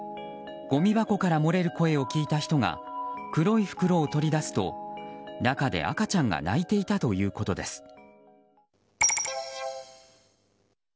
ごみ箱から漏れる声を聞いた人が黒い袋を取り出すと中で赤ちゃんが泣いていたということです。